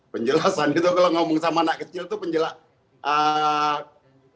penjelasan gitu kalau ngomong sama anak kecil itu penjelasan